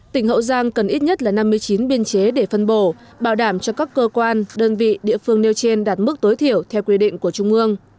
tỉnh hậu giang cần ít nhất là năm mươi chín biên chế để phân bổ bảo đảm cho các cơ quan đơn vị địa phương nêu trên đạt mức tối thiểu theo quy định của trung ương